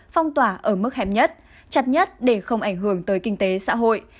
phong tỏa ở mức hẹp nhất chặt nhất để không ảnh hưởng tới kinh tế xã hội